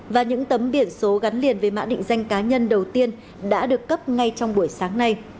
và những tấm biển số gắn liền với mã định danh cá nhân đầu tiên đã được cấp ngay trong buổi sáng nay